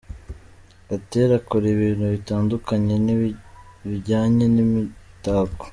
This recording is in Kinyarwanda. Gatera akora ibintu bitandukanye bijyanye n’imitako.